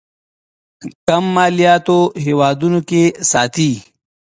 کم مالياتو هېوادونو کې ساتي.